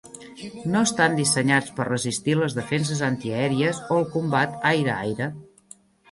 No estan dissenyats per resistir les defenses antiaèries o el combat aire - aire.